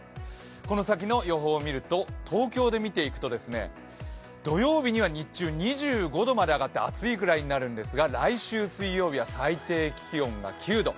この先の予報を見ると東京で見ていくと、土曜日には日中２５度まで上がって、暑いぐらいになるんですが、来週水曜日は最低気温が９度。